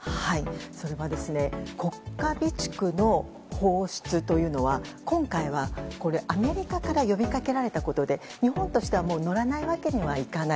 それは国家備蓄の放出というのは今回はアメリカから呼びかけられたことで日本としては乗らないわけにはいかない。